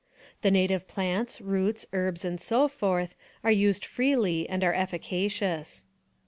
The native plants, roots, herbs, and so forth, are used freely, and are efficacious.